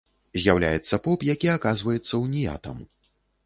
З'яўляецца поп, які аказваецца уніятам.